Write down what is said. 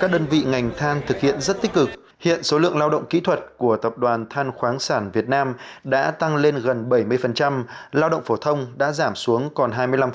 các đơn vị ngành than thực hiện rất tích cực hiện số lượng lao động kỹ thuật của tập đoàn than khoáng sản việt nam đã tăng lên gần bảy mươi lao động phổ thông đã giảm xuống còn hai mươi năm